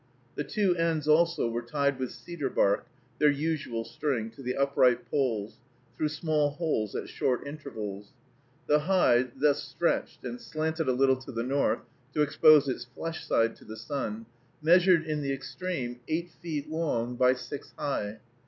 The two ends also were tied with cedar bark, their usual string, to the upright poles, through small holes at short intervals. The hide, thus stretched, and slanted a little to the north, to expose its flesh side to the sun, measured, in the extreme, eight feet long by six high.